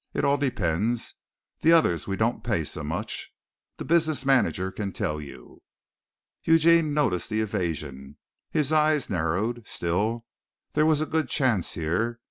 It all depends. The others we don't pay so much. The business manager can tell you." Eugene noticed the evasion. His eyes narrowed. Still there was a good chance here.